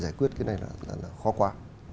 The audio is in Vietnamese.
giải quyết cái này là khó quá